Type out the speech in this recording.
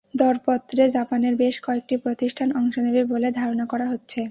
দরপত্রে জাপানের বেশ কয়েকটি প্রতিষ্ঠান অংশ নেবে বলে ধারণা করা হচ্ছে।